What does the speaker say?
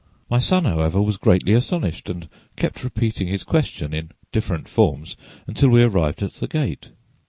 My son, however, was greatly astonished and kept repeating his question in different forms until we arrived at the gate.